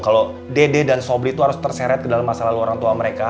kalau dede dan sobri itu harus terseret ke dalam masa lalu orang tua mereka